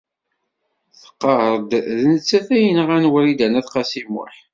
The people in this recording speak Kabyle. Tqarr-d d nettat ay yenɣan Wrida n At Qasi Muḥ.